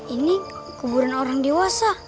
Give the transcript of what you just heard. ini kuburan orang dewasa